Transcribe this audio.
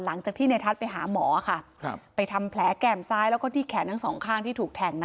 หลังจากที่ในทัศน์ไปหาหมอค่ะไปทำแผลแก่มซ้ายแล้วก็ที่แขนทั้งสองข้างที่ถูกแทงนะคะ